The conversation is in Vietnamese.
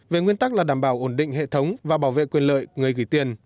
về nguyên tắc là đảm bảo ổn định hệ thống và bảo vệ quyền lợi người gửi tiền